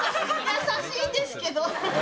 優しいんですけど。